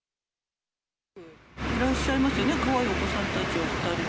いらっしゃいますよね、かわいいお子さんたちが２人。